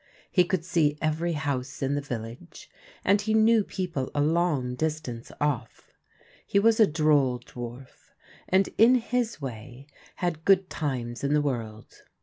He could see every house in the village, and he knew people a long distance off. He was a droll dwarf, and, in his way, had good times in the world.